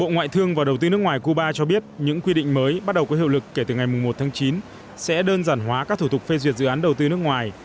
ngoại thương và đầu tư nước ngoài cuba cho biết những quy định mới bắt đầu có hiệu lực kể từ ngày một tháng chín sẽ đơn giản hóa các thủ tục phê duyệt dự án đầu tư nước ngoài